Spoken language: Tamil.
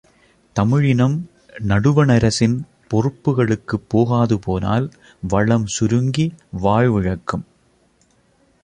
தமிழினம், நடுவணரசின் பொறுப்புகளுக்குப் போகாது போனால் வளம் சுருங்கி வாழ்விழக்கும்.